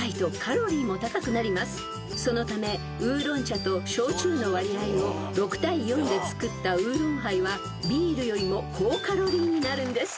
［そのためウーロン茶と焼酎の割合を６対４で作ったウーロンハイはビールよりも高カロリーになるんです］